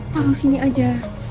taruh sini aja